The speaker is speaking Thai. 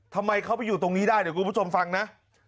ทำไมเขาไปอยู่ตรงนี้ได้เดี๋ยวคุณผู้ชมฟังนะ